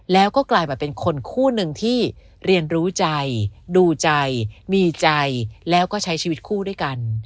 แล้วก็กลายมาเป็นคนคู่หนึ่งที่เรียนรู้ใจดูใจมีใจแล้วก็ใช้ชีวิตคู่ด้วยกัน